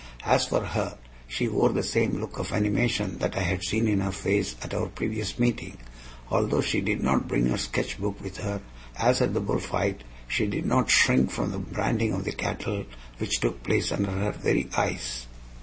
As for her, she wore the same look of animation that I had seen in her face at our previous meeting. Although she did not bring her sketchbook with her, as at the bullfight, she did not shrink from the branding of the cattle, which took place under her very eyes.